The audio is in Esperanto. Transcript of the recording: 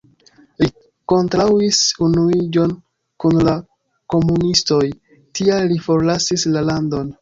Li kontraŭis unuiĝon kun la komunistoj, tial li forlasis la landon.